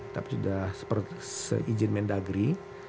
tapi sudah se izin mendagri